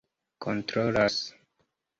kontrolas